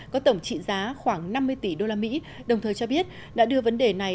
có tổng trị giá khoảng năm mươi tỷ usd đồng thời cho biết đã đưa vấn đề này